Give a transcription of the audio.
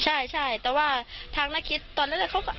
เพราะไม่เคยถามลูกสาวนะว่าไปทำธุรกิจแบบไหนอะไรยังไง